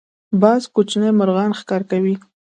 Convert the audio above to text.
باز کوچني مرغان ښکار کوي